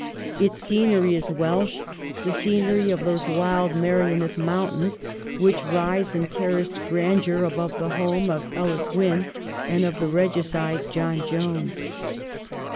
Its scenery is Welsh — the scenery of those wild Merioneth mountains which rise in terraced grandeur above the home of Ellis Wynn and of the regicide John Jones.